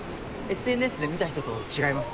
ＳＮＳで見た人と違います。